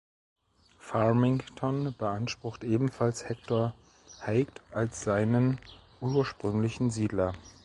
Farmington beansprucht ebenfalls Hector Haight als seinen ursprünglichen Siedler.